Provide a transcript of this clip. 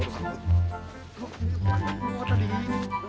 tuh ini apa tadi